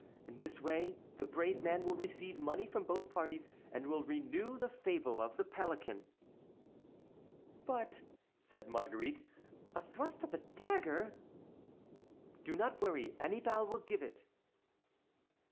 In this way the brave man will receive money from both parties and will renew the fable of the pelican." "But," said Marguerite, "a thrust of a dagger"— "Do not worry; Annibal will give it."